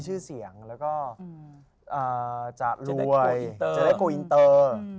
จะรวยจะได้โก้อินเตอร์